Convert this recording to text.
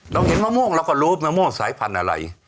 เห็นมะม่วงเราก็รู้มะม่วงสายพันธุ์อะไร